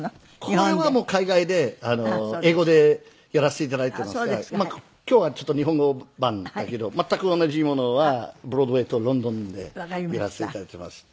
これはもう海外で英語でやらせて頂いてますが今日はちょっと日本語版だけど全く同じものはブロードウェイとロンドンでやらせて頂いています。